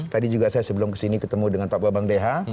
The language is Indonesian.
tadi juga saya sebelum kesini ketemu dengan pak bambang deha